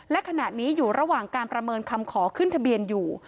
และขณะนี้อยู่ระหว่างการประเมินคำขอขึ้นทะเบียนอยู่